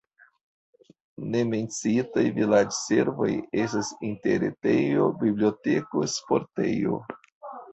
Ne menciitaj vilaĝservoj estas interretejo, biblioteko, sportejo.